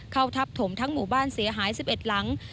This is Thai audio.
ทับถมทั้งหมู่บ้านเสียหาย๑๑หลัง